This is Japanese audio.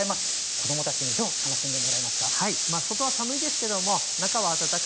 子どもたちにどう楽しんでもらいたいですか。